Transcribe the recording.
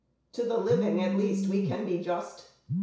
To the living, at least, we can be just.